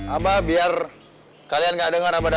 abah biar kalian gak denger abad abadnya